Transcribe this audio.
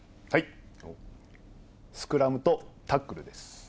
スクラムとタックルです。